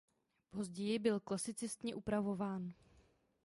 Později byl klasicistně upravován.